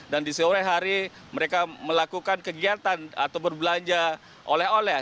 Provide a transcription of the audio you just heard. dan di sore hari mereka melakukan kegiatan atau berbelanja oleh oleh